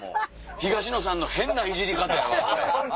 東野さんの変なイジり方やわこれ。